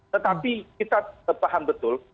tetapi kita paham betul